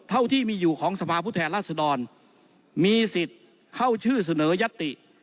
เท่าที่มีอยู่ของสภาพผู้แทนราชดรมีสิทธิ์เข้าชื่อเสนอยัตติ